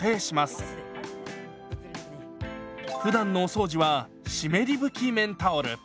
ふだんのお掃除は湿り拭き綿タオル。